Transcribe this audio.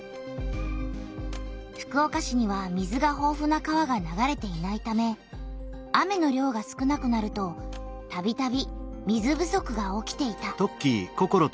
福岡市には水がほうふな川が流れていないため雨の量が少なくなるとたびたび水不足が起きていた。